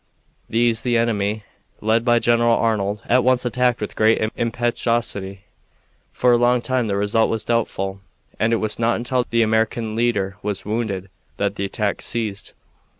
These the enemy, led by General Arnold, at once attacked with great impetuosity. For a long time the result was doubtful, and it was not until the American leader was wounded that the attack ceased.